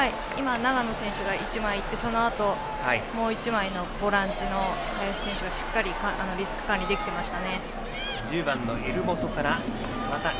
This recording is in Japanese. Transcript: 長野選手が１枚行ってそのあと、もう１枚のボランチの林選手がしっかりリスク管理できてました。